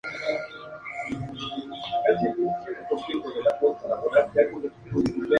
Estos no están divididos en Mishná y Guemará.